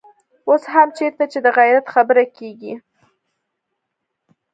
اوس هم چېرته چې د غيرت خبره کېږي.